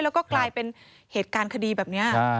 แล้วก็กลายเป็นเหตุการณ์คดีแบบนี้